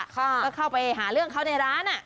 ก็เข้าไปหาเรื่องเขาในร้าน